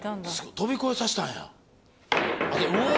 飛び越えさしたんやうぉ！